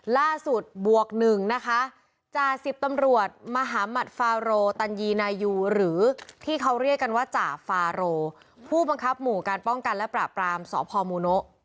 บวก๑นะคะจ่าสิบตำรวจมหาหมัดฟาโรตัญญีนายูหรือที่เขาเรียกกันว่าจ่าฟาโรผู้บังคับหมู่การป้องกันและปราบรามสพมูโนะ